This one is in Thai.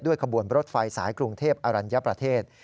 ด้วยกระบวนรถไฟสายกรุงเทพอรัญญาประเทศ